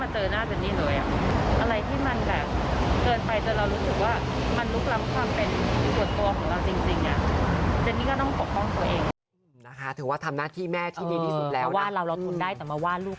แต่เรารู้สึกว่ามันลุกล้ำความเป็นส่วนตัวของเราจริง